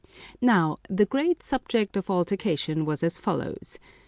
Now the great subject of altercation was as follows.